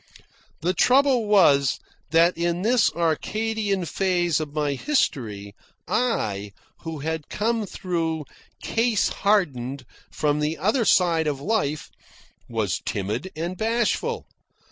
The trouble was that in this Arcadian phase of my history, I, who had come through, case hardened, from the other side of life, was timid and bashful.